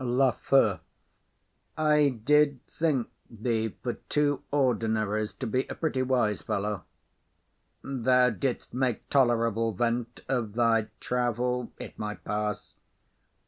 LAFEW. I did think thee, for two ordinaries, to be a pretty wise fellow; thou didst make tolerable vent of thy travel; it might pass.